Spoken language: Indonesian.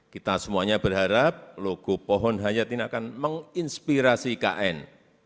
kita semuanya berharap logo pohon hayat ini akan menginspirasi ikn